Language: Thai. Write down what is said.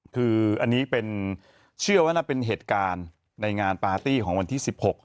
คืออันนี้เป็นเชื่อว่าน่าเป็นเหตุการณ์ในงานปาร์ตี้ของวันที่๑๖